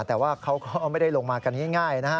แต่ว่าเขาก็ไม่ได้ลงมากันง่ายนะฮะ